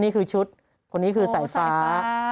นี่คือชุดคนนี้คือสายฟ้า